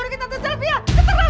lepasin ya mama vincent